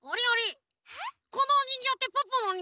このおにんぎょうってポッポのおにんぎょう？